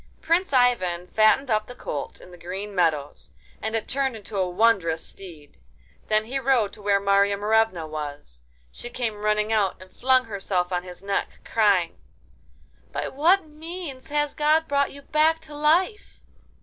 Prince Ivan fattened up the colt in the green meadows, and it turned into a wondrous steed. Then he rode to where Marya Morevna was. She came running out, and flung herself on his neck, crying: 'By what means has God brought you back to life?